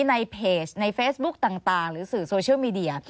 ในเพจในเฟซบุ๊กต่างหรือสื่อโซเชียลมีเดีย